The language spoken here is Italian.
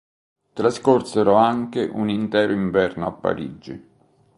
Trascorsero anche un intero inverno a Parigi.